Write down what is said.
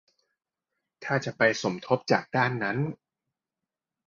ถ้าจะไปสมทบจากด้านนั้น